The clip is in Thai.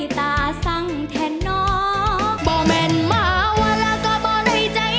ลายแมนครับผม